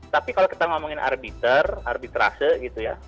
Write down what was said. tapi kalau kita ngomongin arbiter arbitrase gitu ya